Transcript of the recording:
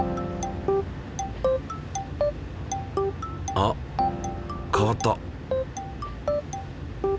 あっ変わった。